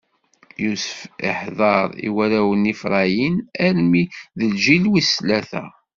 Yusef iḥdeṛ i warraw n Ifṛayim, armi d lǧil wis tlata.